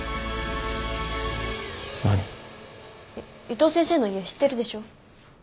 伊藤先生の家知ってるでしょ？